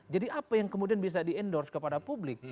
jadi apa yang kemudian bisa di endorse kepada publik